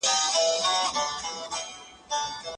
تعلیم یافته میندې د ماشومانو د ناروغۍ خطر کموي.